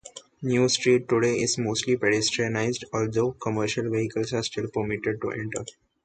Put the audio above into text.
New Street today is mostly pedestrianised, although commercial vehicles are still permitted to enter.